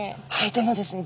でもですね